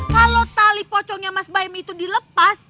kalau tali pocongnya mas baim itu dilepas